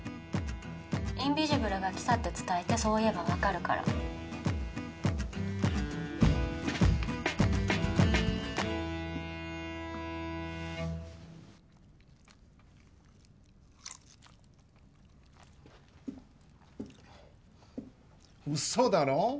インビジブルが来たって伝えてそう言えば分かるから嘘だろ！？